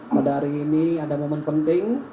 pada hari ini ada momen penting